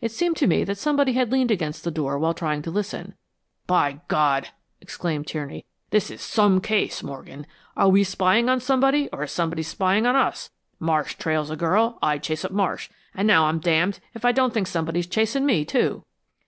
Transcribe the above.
It seemed to me that somebody had leaned against the door while trying to listen." "By God!" exclaimed Tierney. "This is SOME case, Morgan. Are we spying on somebody, or is somebody spying on us? Marsh trails a girl; I chase up Marsh; and now I'm damned if I don't think somebody's chasing me, too."